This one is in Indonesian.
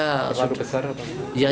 terlalu besar apa